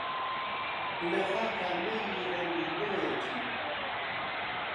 لە خاکا مەیلی ڕەنگ و بۆیەتی